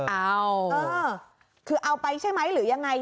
เออคือเอาไปใช่ไหมหรือยังไง